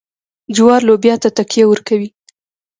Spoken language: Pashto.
جوار لوبیا ته تکیه ورکوي.